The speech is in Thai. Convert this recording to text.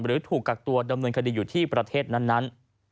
ถูกกักตัวดำเนินคดีอยู่ที่ประเทศนั้น